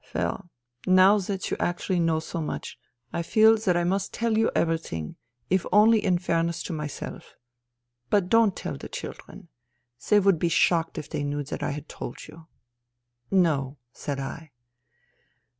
" Well, now that you actually know so much, I feel that I must tell you everything, if only in fair ness to myself. But don't tell the children. They would be shocked if they knew that I had told you." " No," said I.